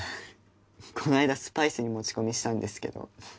この間「スパイス」に持ち込みしたんですけど。